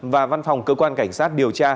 và văn phòng cơ quan cảnh sát điều tra